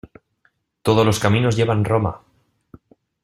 Todos los caminos llevan Roma.